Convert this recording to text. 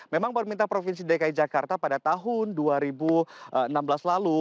memang pemerintah provinsi dki jakarta pada tahun dua ribu enam belas lalu